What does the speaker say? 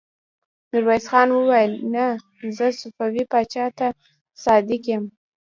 ميرويس خان وويل: نه! زه صفوي پاچا ته صادق يم.